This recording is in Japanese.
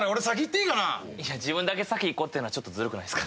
自分だけ先行こうっていうのはちょっとずるくないですか？